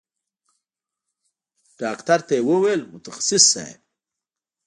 ډاکتر ته يې وويل متخصص صايب.